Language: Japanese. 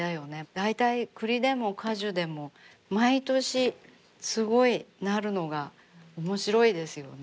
大体栗でも果樹でも毎年すごいなるのが面白いですよね。